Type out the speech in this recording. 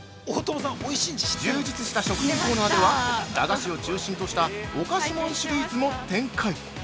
充実した食レポのあとは駄菓子を中心とした「おかしもん」シリーズも展開。